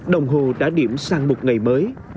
đồng hồ đã điểm sang một ngày mới